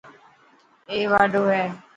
اي واڍو هي.